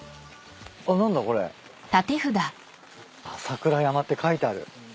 「さくら山」って書いてある。